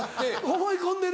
思い込んでる。